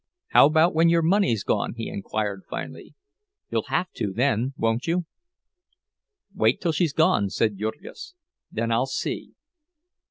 "How about when your money's gone?" he inquired, finally. "You'll have to, then, won't you?" "Wait till she's gone," said Jurgis; "then I'll see."